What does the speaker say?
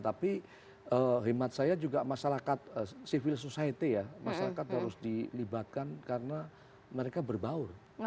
tapi hemat saya juga masyarakat civil society ya masyarakat harus dilibatkan karena mereka berbaur